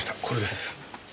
これです。